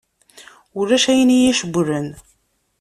Ulac ayen i yi-cewwlen.